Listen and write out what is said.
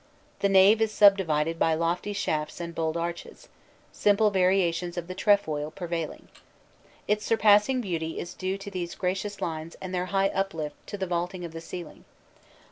The nave is subdivided by lofty shafts and bold arches, simple variations of the trefoil prevailing. Its surpassing beauty is due to these gracious lines and their high uplift to the vault ing of the ceiling.